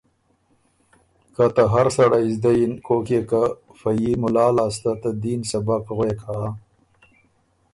که ته هر سړئ زدۀ یِن کوک يې که فۀ يي مُلا لاسته ته دین سبق غوېک هۀ۔